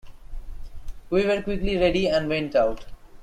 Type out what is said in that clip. We were quickly ready and went out.